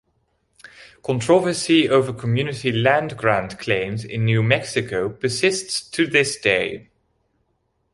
Controversy over community land grant claims in New Mexico persists to this day.